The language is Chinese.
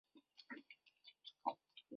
家庭成员赚的钱